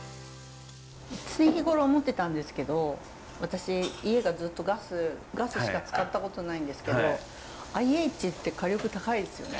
常日頃思ってたんですけど私家がずっとガスガスしか使ったことないんですけどＩＨって火力高いですよね。